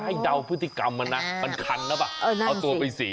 ได้ดาวพฤติกรรมมันน่ะคันนาปะเอาตัวไปเสีย